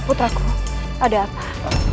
putraku ada apa